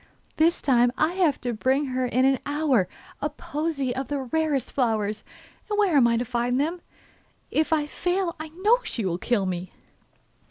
'This time I have to bring her in an hour a posy of the rarest flowers, and where am I to find them? If I fail I know she will kill me.